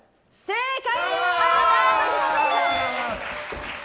正解！